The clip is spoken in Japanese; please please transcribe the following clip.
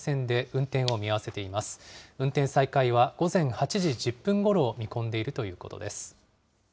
運転再開は午前８時１０分ごろを見込んでいるということです。